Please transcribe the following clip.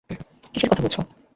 কীসের কথা বলছো?